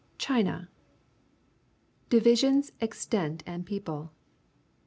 CHINA Divisions, Extent, and People.